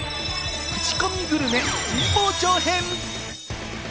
クチコミグルメ、神保町編。